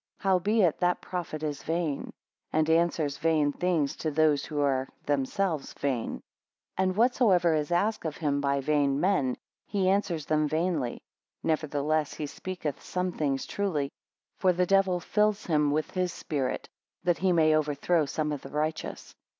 Howbeit that prophet is vain, and answers vain things to those who are themselves vain. 6 And whatsoever is asked of him by vain men, he answers them vainly; nevertheless he speaketh some things truly. For the Devil fills him with his spirit, that he may overthrow some of the righteous.